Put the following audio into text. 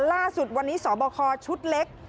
ล่าสุดวันนี้สบคชุดเล็ก